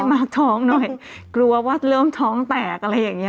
มาท้องหน่อยกลัวว่าเริ่มท้องแตกอะไรอย่างนี้